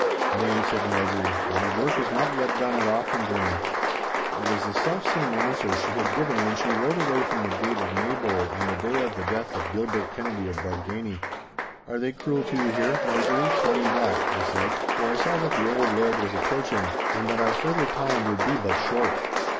'Nay,' said Marjorie, 'my work is not yet done at Auchendrayne.' It was the self same answer she had given when she rode away from the gate of Maybole on the day of the death of Gilbert Kennedy of Bargany. 'Are they cruel to you here, Marjorie, tell me that?' I said, for I saw that the old Laird was approaching, and that our further time would be but short.